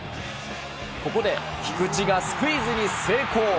ここで菊池がスクイズに成功。